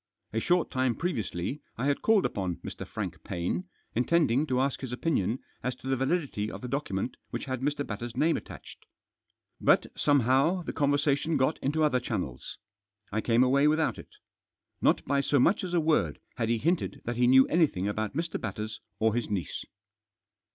A short time previously I had called upon Mr. Frank Paine, intending to ask his opinion Digitized by THE TERMINATION OF THE VOYAGE. 293 as to the validity of the document which had Mr. Batters' name attached. But, somehow, the conver sation got into other channels. I came away without it. Not by so much as a word had he hinted that he knew anything about Mr. Batters or his niece.